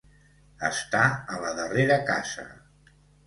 Estar a la darrera casa.